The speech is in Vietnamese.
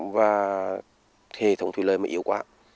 và hệ thống thủy lợi mà yếu quá